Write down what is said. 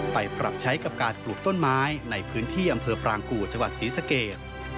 ไปปรับใช้กับการปลูกต้นไม้ในพื้นที่อำเภอปรางกู่จังหวัดศรีสเกต